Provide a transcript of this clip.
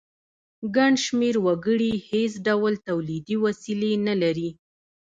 ګڼ شمیر وګړي هیڅ ډول تولیدي وسیلې نه لري.